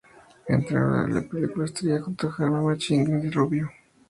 Estrenó la película "La estrella", junto a Carmen Machi e Íngrid Rubio.